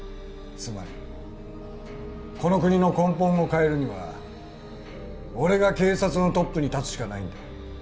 つまりこの国の根本を変えるには俺が警察のトップに立つしかないんだ。